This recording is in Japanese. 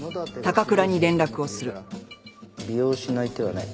利用しない手はない